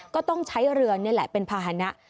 ก็ต้องใช้เรือนี่แหละเป็นภาษณะ